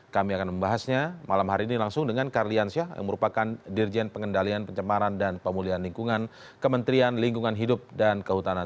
kami akan membahasnya malam hari ini langsung dengan karliansyah yang merupakan dirjen pengendalian pencemaran dan pemulihan lingkungan kementerian lingkungan hidup dan kehutanan